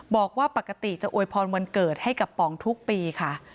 บอกว่าปกติจะอวยพรวันเกิดให้กับป๋องทุกปีค่ะ